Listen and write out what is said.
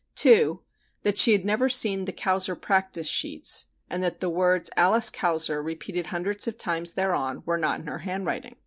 (2) That she had never seen the "Kauser practice sheets," and that the words "Alice Kauser," repeated hundreds of times thereon, were not in her handwriting.